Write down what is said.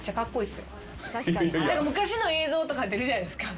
昔の映像とか出るじゃないですか。